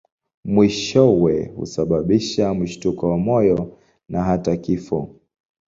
Mwishowe husababisha mshtuko wa moyo na hata kifo.